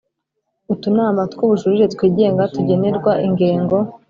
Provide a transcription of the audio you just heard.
Utunama tw ububujurire twigenga tugenerwa ingengo